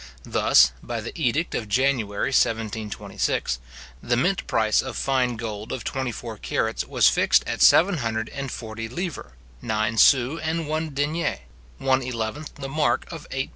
Thus, by the edict of January 1726, the mint price of fine gold of twenty four carats was fixed at seven hundred and forty livres nine sous and one denier one eleventh the mark of eight Paris ounces.